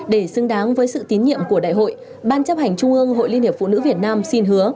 để xứng đáng với sự tín nhiệm của đại hội ban chấp hành trung ương hội liên hiệp phụ nữ việt nam xin hứa